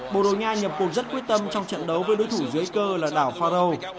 borogna nhập cuộc rất quyết tâm trong trận đấu với đối thủ dưới cơ là đảo faro